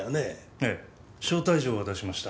ええ招待状は出しました。